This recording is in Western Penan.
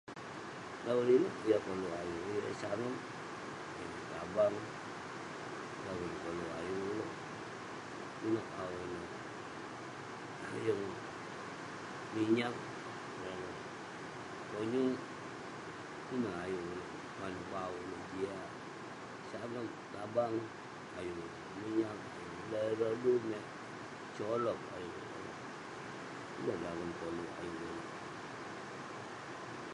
Daven inouk yah koluk ayuk, yeng sangep yeng tabang. Daven koluk ayuk ulouk. Inouk awu ineh? yeng minyak, yeng konyu. Ineh ayuk ulouk manouk bauk ulouk jiak. Sangep, tabang ayuk ulouk. Minyag ayuk ulouk. Dan ireh rodu ineh, solop ayuk ireh. Ineh daven koluk ayouk ulouk.